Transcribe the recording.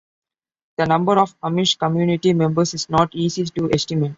The number of Amish community members is not easy to estimate.